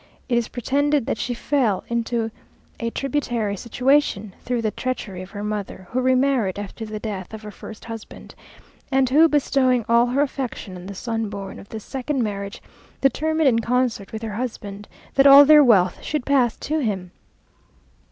It is pretended that she fell into a tributary situation, through the treachery of her mother, who remarried after the death of her first husband, and who, bestowing all her affection on the son born of this second marriage, determined, in concert with her husband, that all their wealth should pass to him.